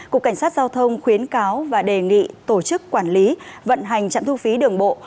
cục cảnh sát giao thông khuyến cáo và đề nghị tổ chức quản lý vận hành trạm thu phí đường bộ